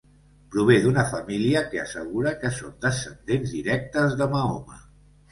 Prové d'una família que assegura que són descendents directes de Mahoma.